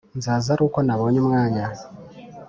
Nzaza aruko nabonye umwanya